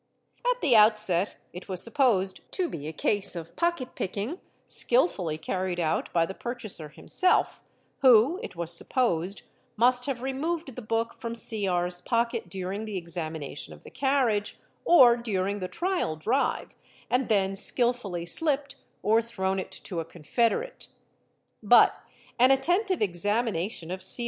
At the out st it was supposed to be a case of pocket picking skilfully carried out by he purchaser himself who, it was supposed, must have removed the book om Cr...'s pocket during the examination of the carriage or during ae trial drive and then skilfully slipped or thrown it to a confederate. But an attentive examination of Cr...